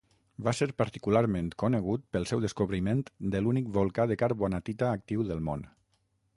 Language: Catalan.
Va ser particularment conegut pel seu descobriment de l'únic volcà de carbonatita actiu del món.